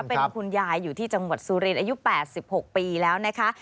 เป็นคุณยายอยู่ที่จังหวัดสุรินอายุ๘๖ปีแล้วนะคะ